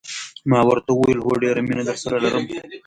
ما ورته وویل: هو، ډېره مینه درسره لرم.